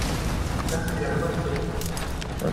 Was das wieder kostet!